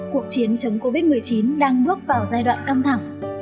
cuộc chiến chống covid một mươi chín đang bước vào giai đoạn căng thẳng